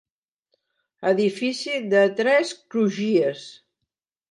Edifici de tres crugies.